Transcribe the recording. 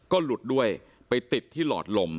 ก็หลุดด้วยไปติดที่หลอดลม